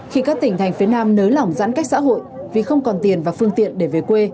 khi các tỉnh thành phía nam nới lỏng giãn cách xã hội vì không còn tiền và phương tiện để về quê